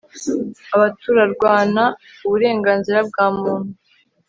abaturarwana uburenganzira bwa muntu